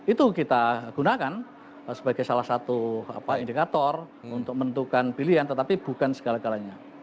itu kita gunakan sebagai salah satu indikator untuk menentukan pilihan tetapi bukan segala galanya